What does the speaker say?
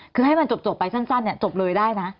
คือให้มันจบไปสั้นจบเลยได้นะ